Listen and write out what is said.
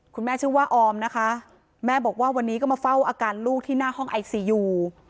คุณแม่ชื่อว่าออมนะคะแม่บอกว่าวันนี้ก็มาเฝ้าอาการลูกที่หน้าห้องไอซียู